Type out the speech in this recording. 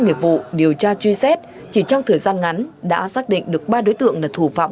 nghiệp vụ điều tra truy xét chỉ trong thời gian ngắn đã xác định được ba đối tượng là thủ phạm